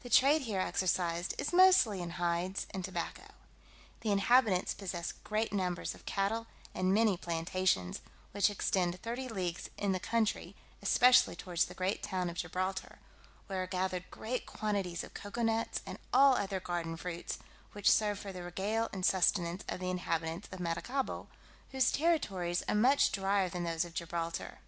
The trade here exercised is mostly in hides and tobacco. The inhabitants possess great numbers of cattle, and many plantations, which extend thirty leagues in the country, especially towards the great town of Gibraltar, where are gathered great quantities of cocoa nuts, and all other garden fruits, which serve for the regale and sustenance of the inhabitants of Maracaibo, whose territories are much drier than those of Gibraltar.